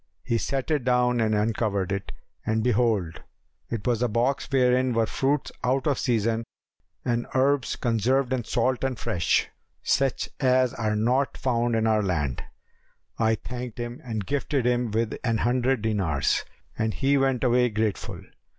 He set it down and uncovered it, and behold it was a box wherein were fruits out of season and herbs conserved in salt and fresh, such as are not found in our land. I thanked him and gifted him with an hundred dinars, and he went away grateful.